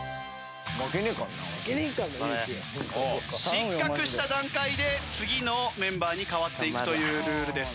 失格した段階で次のメンバーに変わっていくというルールです。